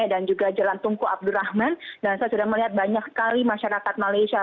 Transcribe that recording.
dan juga jalan tunku abdurrahman dan saya sudah melihat banyak kali masyarakat malaysia